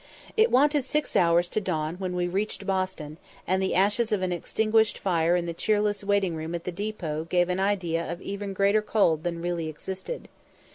It wanted six hours to dawn when we reached Boston; and the ashes of an extinguished fire in the cheerless waiting room at the depôt gave an idea of even greater cold than really existed.